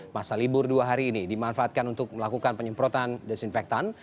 masa libur dua hari ini dimanfaatkan untuk melakukan penyemprotan desinfektan